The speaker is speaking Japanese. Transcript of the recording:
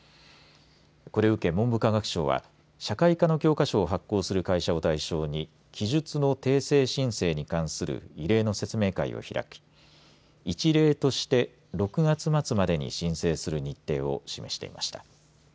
これを受け文部科学省は社会科の教科書を発行する会社を対象に記述の訂正申請に関する異例の説明会を開き一例として６月末までに申請する日程を示していました。